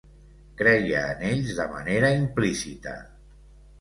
Creia en ells de manera implícita.